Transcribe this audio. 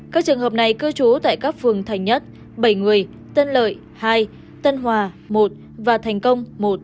các trường hợp này cư trú tại các phường thành nhất bảy người tân lợi hai tân hòa một và thành công một